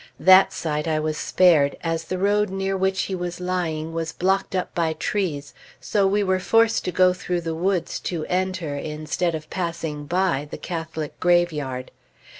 That sight I was spared, as the road near which he was lying was blocked up by trees, so we were forced to go through the woods, to enter, instead of passing by, the Catholic graveyard.